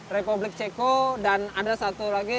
republik ceko dan ada satu lagi